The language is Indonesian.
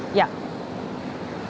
saya akan mencoba untuk mencoba